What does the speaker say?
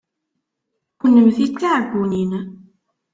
Kennemti d tiɛeggunin.